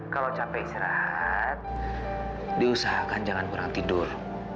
kalau capek istirahat diusahakan jangan kurang tidur